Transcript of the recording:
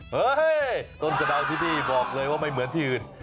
เฮ้ยต้นสะดาวที่นี่บอกเลยว่าไม่เหมือนที่อื่น